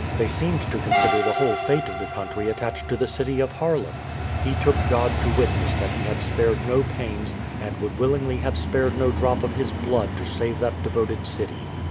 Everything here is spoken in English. They seemed to consider the whole fate of the country attached to the city of Haarlem. He took God to witness that he had spared no pains, and would willingly have spared no drop of his blood to save that devoted city.